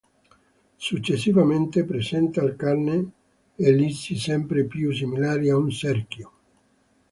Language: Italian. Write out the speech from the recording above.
Successivamente, presenta al cane ellissi sempre più similari a un cerchio.